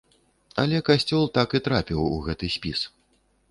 Але касцёл так і трапіў у гэты спіс.